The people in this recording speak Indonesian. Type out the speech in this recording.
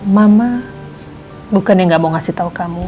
mama bukan yang gak mau ngasih tahu kamu